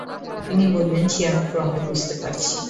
তিনি বললেন, সে আমি ক্রমে বুঝতে পারছি।